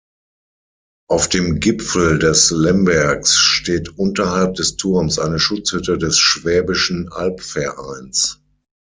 Auf dem Gipfel des Lembergs steht unterhalb des Turms eine Schutzhütte des Schwäbischen Albvereins.